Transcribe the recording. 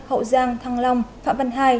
hậu giang thăng long phạm văn hai